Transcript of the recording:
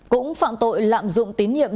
cũng phạm tội lạm dụng tín nhiệm